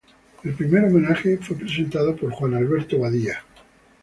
El primer homenaje fue presentado por Juan Alberto Badía.